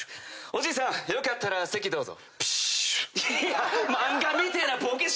おじいさんよかったらどうぞ。